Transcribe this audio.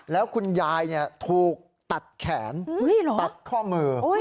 แล้วคุณยายถูกตัดแขนตัดข้อมือ